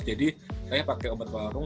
jadi saya pakai obat warung